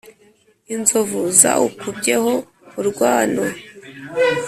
inzovu zawukubyeho urwano,